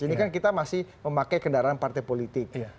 ini kan kita masih memakai kendaraan partai politik